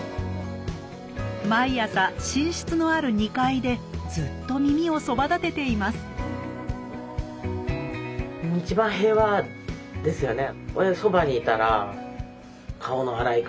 毎朝寝室のある２階でずっと耳をそばだてていますいやすごいですよね。